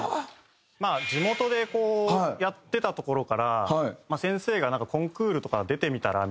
まあ地元でこうやってたところから先生がなんかコンクールとか出てみたら？